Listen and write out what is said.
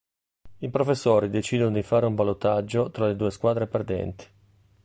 I professori decidono di fare un ballottaggio tra le due squadre perdenti.